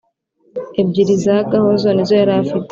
ebyiri za gahozo nizo yarafite